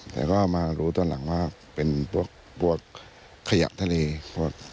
แต่ก็มารู้ตอนหลังว่าเป็นพวกขยะทะเลพวก